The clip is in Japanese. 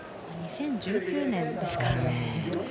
２０１９年ですからね。